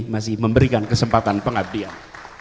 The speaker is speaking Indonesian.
masih memberikan kesempatan pengabdian